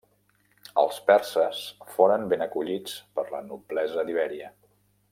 Els perses foren ben acollits per la noblesa d'Ibèria.